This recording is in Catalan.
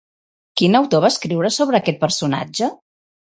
Quin autor va escriure sobre aquest personatge?